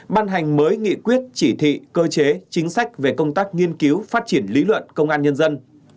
ban hành mới nghị quyết chỉ thị cơ chế chính sách về công tác nghiên cứu phát triển lý luận công an nhân dân